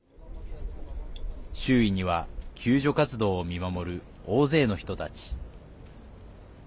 周囲には、救助活動を見守る大勢の人たち。